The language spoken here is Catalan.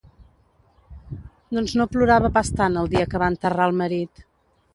Doncs no plorava pas tant el dia que va enterrar el marit.